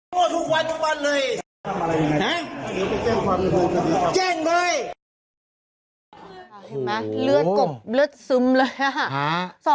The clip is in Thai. เห็นไหมเลือดกบเลือดซึมเลยอ่ะ